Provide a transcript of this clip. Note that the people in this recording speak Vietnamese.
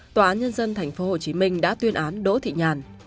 tòa án nhân dân tp hcm đã tuyên án đỗ thị nhàn